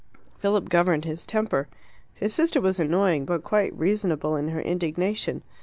Philip governed his temper. His sister was annoying, but quite reasonable in her indignation.